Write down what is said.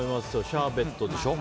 シャーベットでしょ？